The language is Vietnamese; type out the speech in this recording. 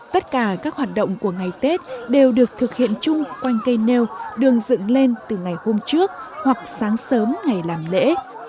tất cả các hoạt động của ngày tết đều được thực hiện chung quanh cây nêu đường dựng lên từ ngày hôm trước hoặc sáng sớm ngày làm lễ